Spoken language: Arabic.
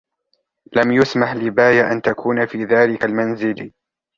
لم يُسمح لباية أن تكون في ذلك المنزل.